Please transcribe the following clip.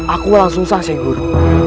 aku langsung sah syekh guru